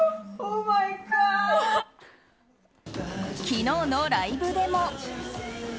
昨日のライブでも。